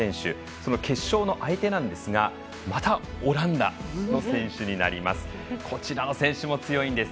その決勝の相手なんですがまたオランダの選手になります。